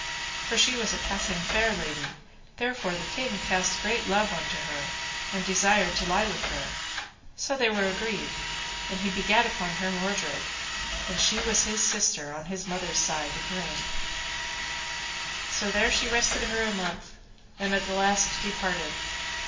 For she was a passing fair lady, therefore the king cast great love unto her, and desired to lie by her; so they were agreed, and he begat upon her Mordred, and she was his sister, on his mother's side, Igraine. So there she rested her a month, and at the last departed.